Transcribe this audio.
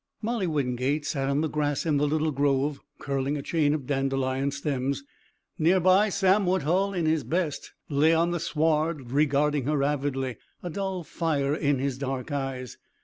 Molly Wingate sat on the grass in the little grove, curling a chain of dandelion stems. Near by Sam Woodhull, in his best, lay on the sward regarding her avidly, a dull fire in his dark eyes.